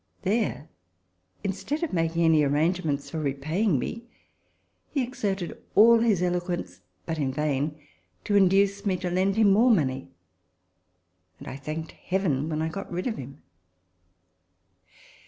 There, instead of making any arrangements for repaying me, he exerted all his eloquence, but in vain, to induce me to lend him more money ; and I thanked Heaven when I got rid of him.